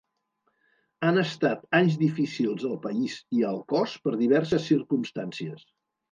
Han estat anys difícils al país i al cos per diverses circumstàncies.